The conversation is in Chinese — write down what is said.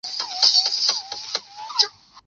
是宋朝人。